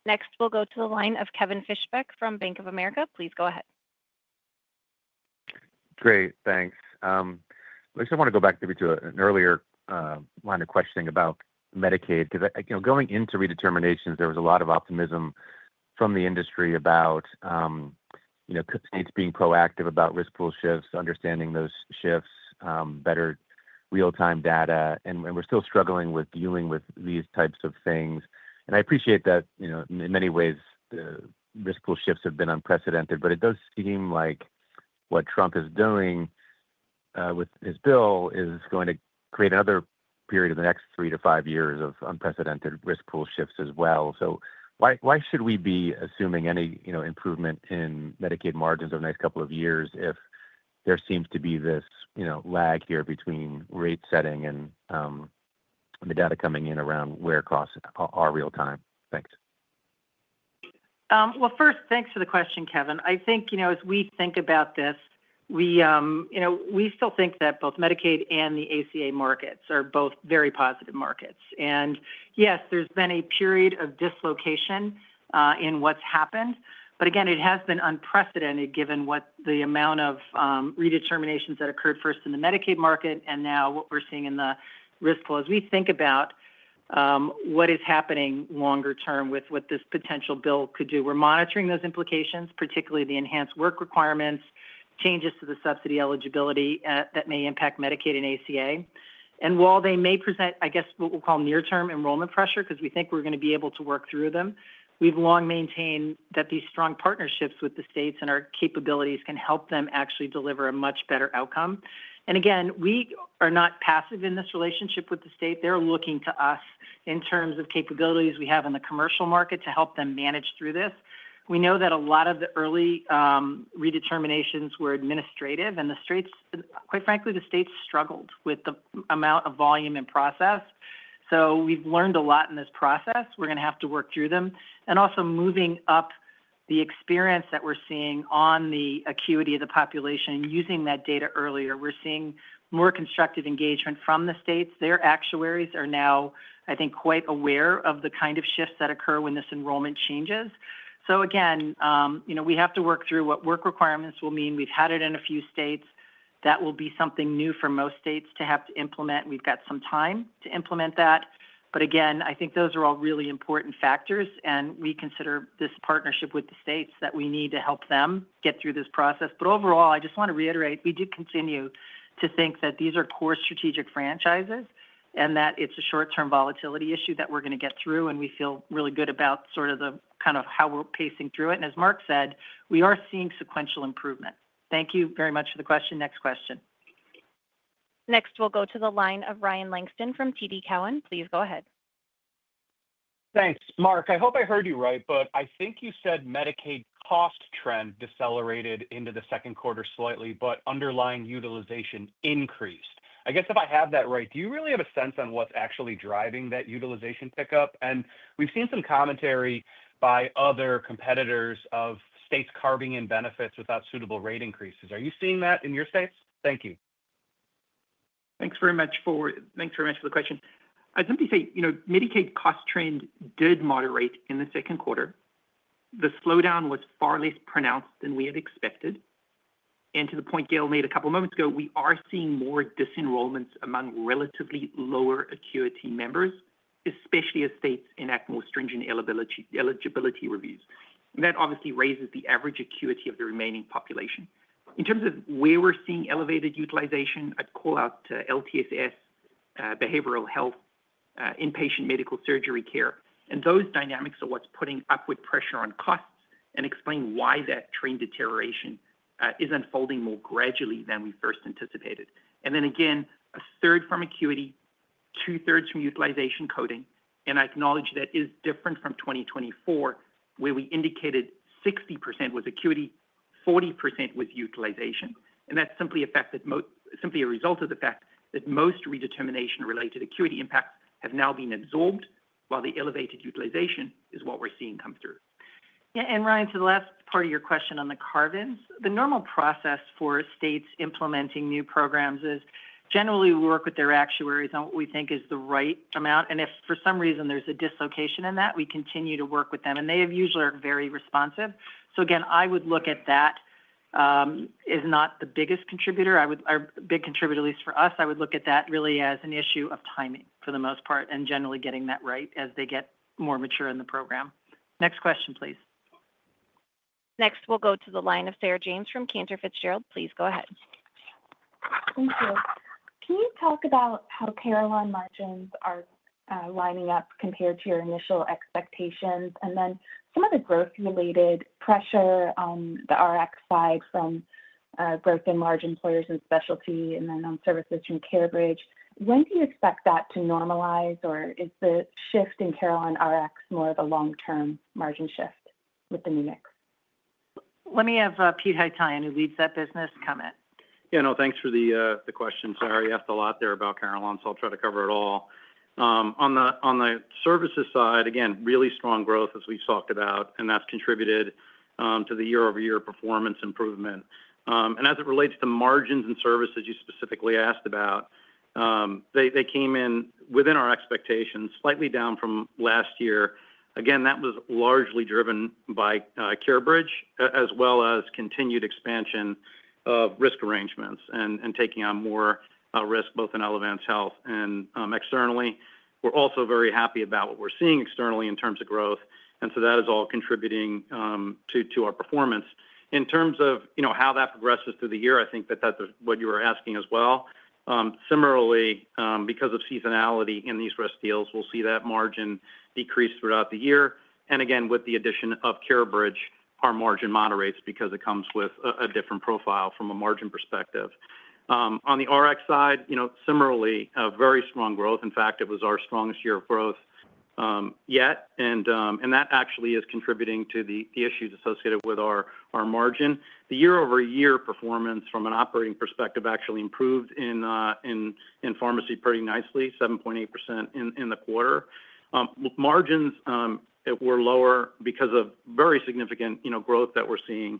Next, we'll go to the line of Kevin Fischbeck from Bank of America. Please go ahead. Great. Thanks. I want to go back maybe to an earlier line of questioning about Medicaid because, you know, going into redeterminations, there was a lot of optimism from the industry about. You know, states being proactive about risk pool shifts, understanding those shifts, better real-time data. And we're still struggling with dealing with these types of things. And I appreciate that, you know, in many ways, the risk pool shifts have been unprecedented, but it does seem like what Trump is doing with his bill is going to create another period in the next three to five years of unprecedented risk pool shifts as well. So why should we be assuming any, you know, improvement in Medicaid margins over the next couple of years if there seems to be this, you know, lag here between rate setting and the data coming in around where costs are real-time? Thanks. Well, first, thanks for the question, Kevin. I think, you know, as we think about this, we, you know, we still think that both Medicaid and the ACA markets are both very positive markets. And yes, there's been a period of dislocation in what's happened. But again, it has been unprecedented given what the amount of redeterminations that occurred first in the Medicaid market and now what we're seeing in the risk pool as we think about what is happening longer term with what this potential bill could do. We're monitoring those implications, particularly the enhanced work requirements, changes to the subsidy eligibility that may impact Medicaid and ACA. And while they may present, I guess, what we'll call near-term enrollment pressure because we think we're going to be able to work through them, we've long maintained that these strong partnerships with the states and our capabilities can help them actually deliver a much better outcome. And again, we are not passive in this relationship with the state. They're looking to us in terms of capabilities we have in the commercial market to help them manage through this. We know that a lot of the early redeterminations were administrative. And the states, quite frankly, the states struggled with the amount of volume and process. So we've learned a lot in this process. We're going to have to work through them. And also moving up the experience that we're seeing on the acuity of the population, using that data earlier, we're seeing more constructive engagement from the states. Their actuaries are now, I think, quite aware of the kind of shifts that occur when this enrollment changes. So again, you know, we have to work through what work requirements will mean. We've had it in a few states. That will be something new for most states to have to implement. We've got some time to implement that. But again, I think those are all really important factors. And we consider this partnership with the states that we need to help them get through this process. But overall, I just want to reiterate, we do continue to think that these are core strategic franchises and that it's a short-term volatility issue that we're going to get through. And we feel really good about sort of the kind of how we're pacing through it. And as Mark said, we are seeing sequential improvement. Thank you very much for the question. Next question. Next, we'll go to the line of Ryan Langston from TD Cowen. Please go ahead. Thanks. Mark, I hope I heard you right, but I think you said Medicaid cost trend decelerated into the second quarter slightly, but underlying utilization increased. I guess if I have that right, do you really have a sense on what's actually driving that utilization pickup? And we've seen some commentary by other competitors of states carving in benefits without suitable rate increases. Are you seeing that in your states? Thank you. Thanks very much for the question. I'd simply say, you know, Medicaid cost trend did moderate in the second quarter. The slowdown was far less pronounced than we had expected. And to the point Gail made a couple of moments ago, we are seeing more disenrollments among relatively lower acuity members, especially as states enact more stringent eligibility reviews. And that obviously raises the average acuity of the remaining population. In terms of where we're seeing elevated utilization, I'd call out LTSS, behavioral health, inpatient medical surgery care. And those dynamics are what's putting upward pressure on costs and explain why that trend deterioration is unfolding more gradually than we first anticipated. And then again, a third from acuity, two-thirds from utilization coding. And I acknowledge that is different from 2024, where we indicated 60% was acuity, 40% was utilization. And that's simply a fact that, simply a result of the fact that most redetermination-related acuity impacts have now been absorbed, while the elevated utilization is what we're seeing come through. Yeah. And Ryan, to the last part of your question on the carve-ins, the normal process for states implementing new programs is generally we work with their actuaries on what we think is the right amount. And if for some reason there's a dislocation in that, we continue to work with them. And they usually are very responsive. So again, I would look at that as not the biggest contributor. I would, a big contributor, at least for us, I would look at that really as an issue of timing for the most part and generally getting that right as they get more mature in the program. Next question, please. Next, we'll go to the line of Sarah James from Cantor Fitzgerald. Please go ahead. Thank you. Can you talk about how Carelon margins are lining up compared to your initial expectations and then some of the growth-related pressure on the RX side from growth in large employers and specialty and then on services from CareBridge? When do you expect that to normalize or is the shift in Carelon RX more of a long-term margin shift with the new mix? Let me have Peter Haytaian, who leads that business, comment. Yeah, no, thanks for the question. Sorry, I asked a lot there about Carelon, so I'll try to cover it all. On the services side, again, really strong growth as we've talked about, and that's contributed to the year-over-year performance improvement. And as it relates to margins and services you specifically asked about, they came in within our expectations, slightly down from last year. Again, that was largely driven by CareBridge as well as continued expansion of risk arrangements and taking on more risk both in Elevance Health and externally. We're also very happy about what we're seeing externally in terms of growth. And so that is all contributing to our performance. In terms of, you know, how that progresses through the year, I think that that's what you were asking as well. Similarly, because of seasonality in these risk deals, we'll see that margin decrease throughout the year. And again, with the addition of CareBridge, our margin moderates because it comes with a different profile from a margin perspective. On the RX side, you know, similarly, a very strong growth. In fact, it was our strongest year of growth yet. And that actually is contributing to the issues associated with our margin. The year-over-year performance from an operating perspective actually improved in pharmacy pretty nicely, 7.8% in the quarter. Margins were lower because of very significant, you know, growth that we're seeing.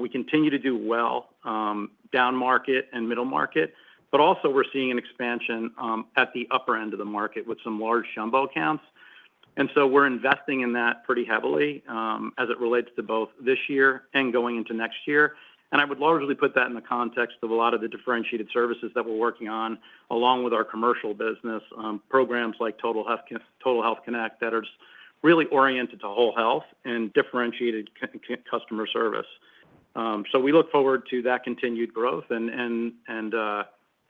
We continue to do well down market and middle market, but also we're seeing an expansion at the upper end of the market with some large jumbo accounts. And so we're investing in that pretty heavily as it relates to both this year and going into next year. And I would largely put that in the context of a lot of the differentiated services that we're working on along with our commercial business programs like Total Health Connect that are really oriented to whole health and differentiated customer service. So we look forward to that continued growth and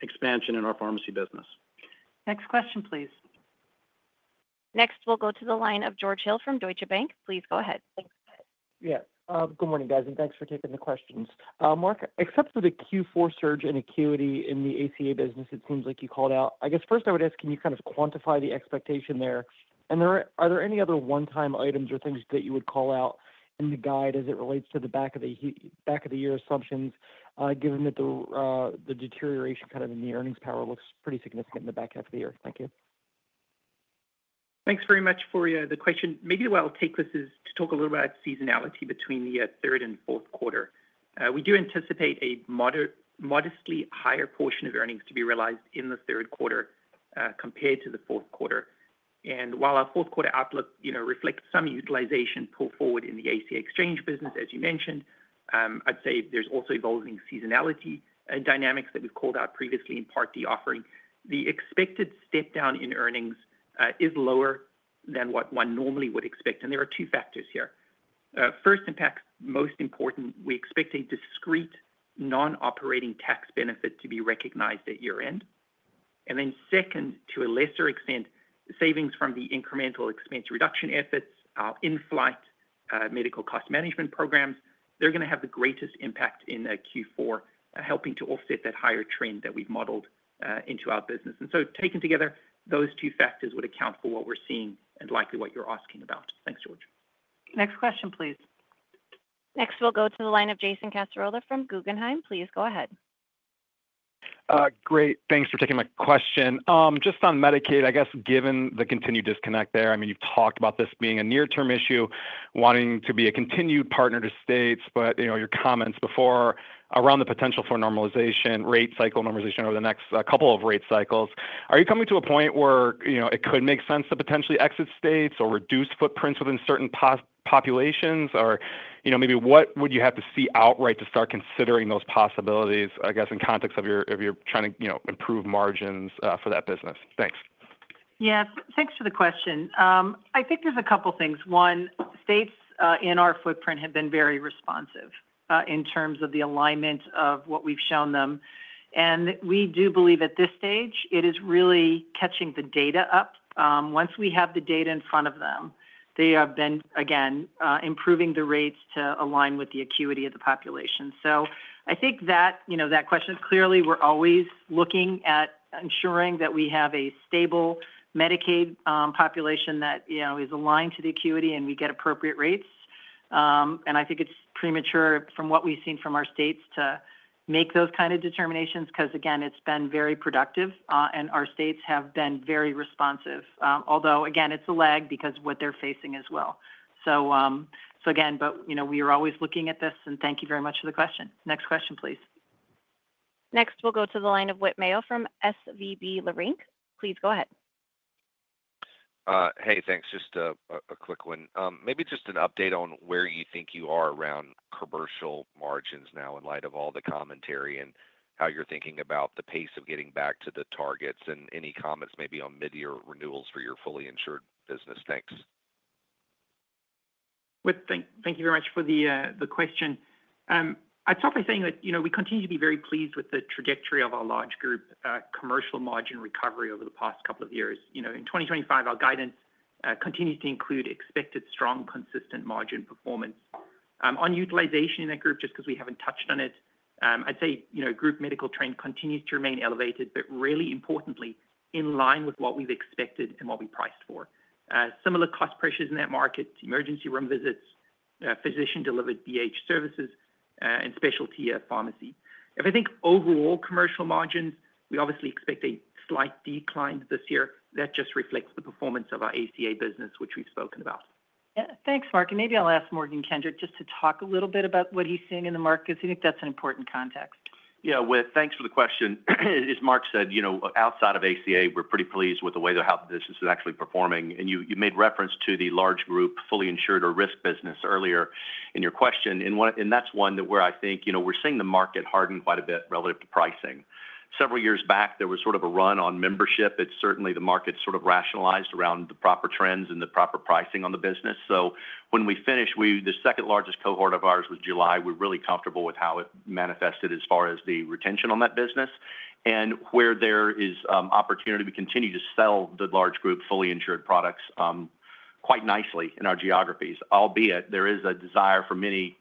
expansion in our pharmacy business. Next question, please. Next, we'll go to the line of George Hill from Deutsche Bank. Please go ahead. Yes. Good morning, guys, and thanks for taking the questions. Mark, except for the Q4 surge in acuity in the ACA business, it seems like you called out, I guess first I would ask, can you kind of quantify the expectation there? And are there any other one-time items or things that you would call out in the guide as it relates to the back half of the year assumptions, given that the deterioration kind of in the earnings power looks pretty significant in the back half of the year? Thank you. Thanks very much for the question. Maybe the way I'll take this is to talk a little about seasonality between the third and fourth quarter. We do anticipate a modestly higher portion of earnings to be realized in the third quarter compared to the fourth quarter. And while our fourth quarter outlook, you know, reflects some utilization pulled forward in the ACA exchange business, as you mentioned, I'd say there's also evolving seasonality and dynamics that we've called out previously in Part D offering. The expected step down in earnings is lower than what one normally would expect. And there are two factors here. First, in fact, most important, we expect a discrete non-operating tax benefit to be recognized at year-end. And then second, to a lesser extent, savings from the incremental expense reduction efforts, our in-flight medical cost management programs, they're going to have the greatest impact in Q4, helping to offset that higher trend that we've modeled into our business. And so taken together, those two factors would account for what we're seeing and likely what you're asking about. Thanks, George. Next question, please. Next, we'll go to the line of Jason Cassorla from Guggenheim. Please go ahead. Great. Thanks for taking my question. Just on Medicaid, I guess, given the continued disconnect there, I mean, you've talked about this being a near-term issue, wanting to be a continued partner to states, but, you know, your comments before around the potential for normalization, rate cycle normalization over the next couple of rate cycles. Are you coming to a point where, you know, it could make sense to potentially exit states or reduce footprints within certain populations? Or, you know, maybe what would you have to see outright to start considering those possibilities, I guess, in context of your trying to, you know, improve margins for that business? Thanks. Yeah, thanks for the question. I think there's a couple of things. One, states in our footprint have been very responsive in terms of the alignment of what we've shown them. And we do believe at this stage it is really catching the data up. Once we have the data in front of them, they have been, again, improving the rates to align with the acuity of the population. So I think that, you know, that question is clearly we're always looking at ensuring that we have a stable Medicaid population that, you know, is aligned to the acuity and we get appropriate rates. And I think it's premature from what we've seen from our states to make those kinds of determinations because, again, it's been very productive and our states have been very responsive. Although, again, it's a lag because of what they're facing as well. So, so again, but, you know, we are always looking at this and thank you very much for the question. Next question, please. Next, we'll go to the line of Whit Mayo from Leerink Partners. Please go ahead. Hey, thanks. Just a quick one. Maybe just an update on where you think you are around commercial margins now in light of all the commentary and how you're thinking about the pace of getting back to the targets and any comments maybe on mid-year renewals for your fully insured business? Thanks. Thank you very much for the question. I'd start by saying that, you know, we continue to be very pleased with the trajectory of our large group commercial margin recovery over the past couple of years. You know, in 2025, our guidance continues to include expected strong, consistent margin performance. On utilization in that group, just because we haven't touched on it, I'd say, you know, group medical trend continues to remain elevated, but really importantly, in line with what we've expected and what we priced for. Similar cost pressures in that market, emergency room visits, physician-delivered BH services, and specialty pharmacy. If I think overall commercial margins, we obviously expect a slight decline this year. That just reflects the performance of our ACA business, which we've spoken about. Yeah, thanks, Mark. And maybe I'll ask Morgan Kendrick just to talk a little bit about what he's seeing in the markets. I think that's an important context. Yeah, with thanks for the question. As Mark said, you know, outside of ACA, we're pretty pleased with the way the health business is actually performing, and you made reference to the large group fully insured or risk business earlier in your question, and that's one that where I think, you know, we're seeing the market harden quite a bit relative to pricing. Several years back, there was sort of a run on membership. It's certainly the market sort of rationalized around the proper trends and the proper pricing on the business. So when we finished, we, the second largest cohort of ours was July, we're really comfortable with how it manifested as far as the retention on that business, and where there is opportunity, we continue to sell the large group fully insured products quite nicely in our geographies, albeit there is a desire for many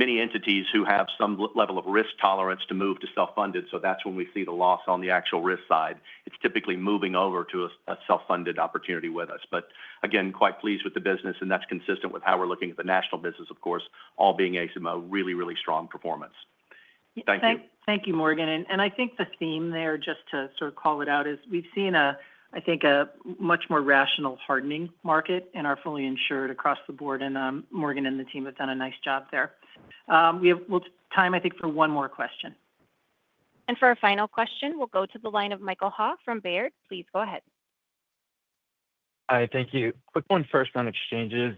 entities who have some level of risk tolerance to move to self-funded, so that's when we see the loss on the actual risk side. It's typically moving over to a self-funded opportunity with us, but again, quite pleased with the business and that's consistent with how we're looking at the national business, of course, all being a really, really strong performance. Thank you. Thank you, Morgan. And I think the theme there, just to sort of call it out, is we've seen a, I think, a much more rational hardening market in our fully insured across the board. And Morgan and the team have done a nice job there. We have time, I think, for one more question. For our final question, we'll go to the line of Michael Hall from Baird. Please go ahead. Hi, thank you. Quick one first on exchanges.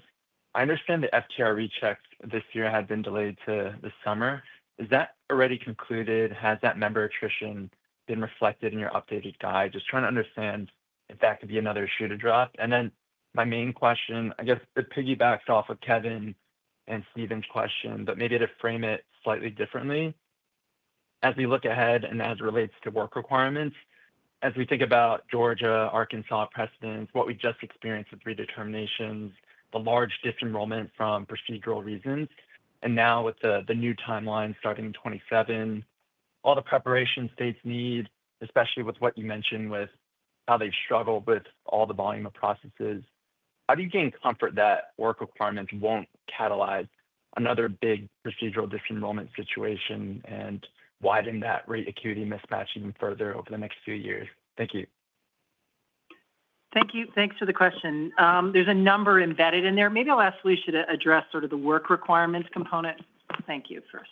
I understand the FTR rechecks this year had been delayed to the summer. Is that already concluded? Has that member attrition been reflected in your updated guide? Just trying to understand if that could be another shoe to drop. And then my main question, I guess it piggybacks off of Kevin and Stephen's question, but maybe to frame it slightly differently. As we look ahead and as it relates to work requirements, as we think about Georgia, Arkansas precedents, what we just experienced with redeterminations, the large disenrollment from procedural reasons, and now with the new timeline starting in 2027, all the preparation states need, especially with what you mentioned with how they've struggled with all the volume of processes, how do you gain comfort that work requirements won't catalyze another big procedural disenrollment situation and widen that rate acuity mismatch even further over the next few years? Thank you. Thank you. Thanks for the question. There's a number embedded in there. Maybe I'll ask if we should address sort of the work requirements component. Thank you first.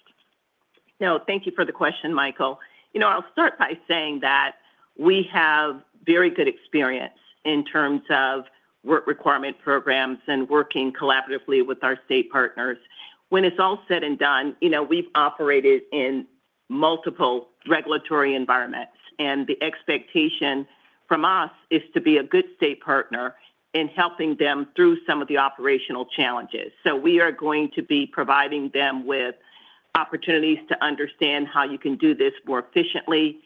No, thank you for the question, Michael. You know, I'll start by saying that we have very good experience in terms of work requirement programs and working collaboratively with our state partners. When it's all said and done, you know, we've operated in multiple regulatory environments, and the expectation from us is to be a good state partner in helping them through some of the operational challenges, so we are going to be providing them with opportunities to understand how you can do this more efficiently.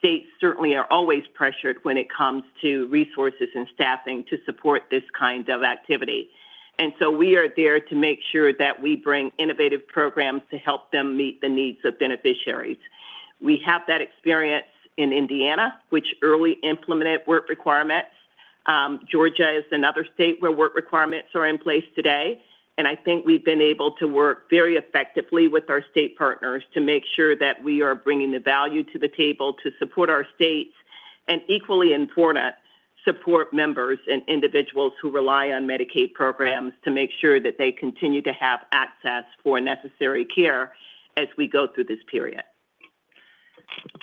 States certainly are always pressured when it comes to resources and staffing to support this kind of activity, and so we are there to make sure that we bring innovative programs to help them meet the needs of beneficiaries. We have that experience in Indiana, which early implemented work requirements. Georgia is another state where work requirements are in place today, and I think we've been able to work very effectively with our state partners to make sure that we are bringing the value to the table to support our states and equally important support members and individuals who rely on Medicaid programs to make sure that they continue to have access for necessary care as we go through this period.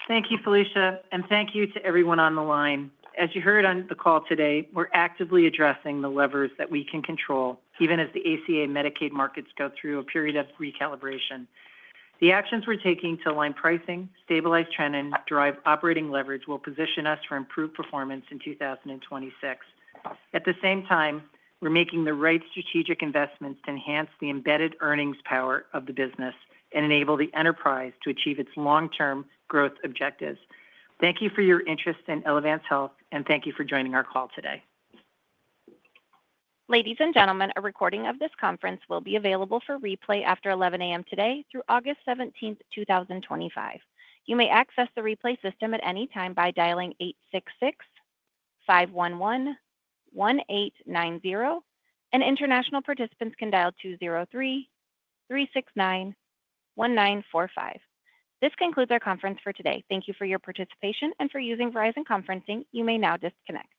Thank you, Felicia. And thank you to everyone on the line. As you heard on the call today, we're actively addressing the levers that we can control, even as the ACA Medicaid markets go through a period of recalibration. The actions we're taking to align pricing, stabilize trend, and drive operating leverage will position us for improved performance in 2026. At the same time, we're making the right strategic investments to enhance the embedded earnings power of the business and enable the enterprise to achieve its long-term growth objectives. Thank you for your interest in Elevance Health, and thank you for joining our call today. Ladies and gentlemen, a recording of this conference will be available for replay after 11:00 A.M. today through August 17, 2025. You may access the replay system at any time by dialing 866-511-1890. And international participants can dial 203-369-1945. This concludes our conference for today. Thank you for your participation and for using Verizon Conferencing. You may now disconnect.